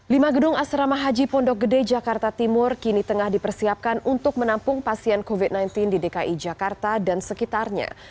lima gedung asrama haji pondok gede jakarta timur kini tengah dipersiapkan untuk menampung pasien covid sembilan belas di dki jakarta dan sekitarnya